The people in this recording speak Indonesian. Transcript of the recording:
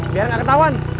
biar gak ketauan